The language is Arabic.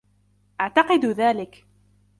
ﺃعتقد ذلك.